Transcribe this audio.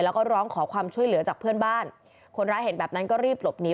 แล้วก็ร้องขอความช่วยเหลือจากเพื่อนบ้านคนร้ายเห็นแบบนั้นก็รีบหลบหนี